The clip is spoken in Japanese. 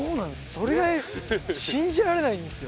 それが信じられないんですよ。